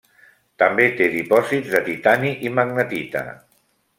També té dipòsits de titani i magnetita.